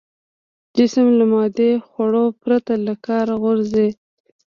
جسم له مادي خوړو پرته له کاره غورځي.